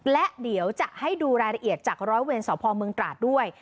และเดี๋ยวจะให้ดูรายละเอียดจากร้อยเวรสพเมืองตราดด้วย